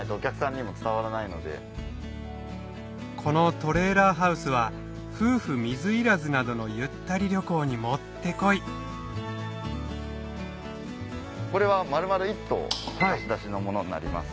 このトレーラーハウスは夫婦水入らずなどのゆったり旅行にもってこいこれは丸々一棟貸し出しのものになります。